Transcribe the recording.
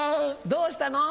どうしたの？